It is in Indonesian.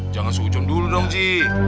jangan seujon dulu dong ji